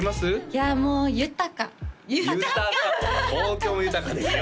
いやもう豊か豊か東京も豊かですよ